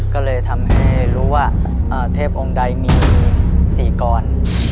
ก็เลยทำให้รู้ว่าเทพองค์ใดมี๔กร